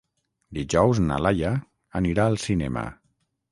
Dijous na Laia anirà al cinema.